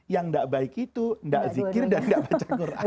yang tidak baik itu tidak zikir dan tidak baca quran